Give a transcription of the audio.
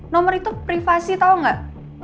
nomor itu privasi tau gak